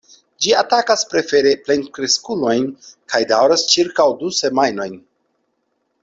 Ĝi atakas prefere plenkreskulojn kaj daŭras ĉirkaŭ du semajnojn.